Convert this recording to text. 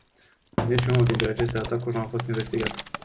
Niciunul dintre aceste atacuri nu a fost investigat.